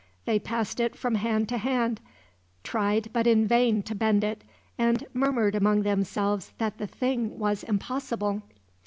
They passed it from hand to hand, tried but in vain to bend it, and murmured among themselves that the thing was impossible.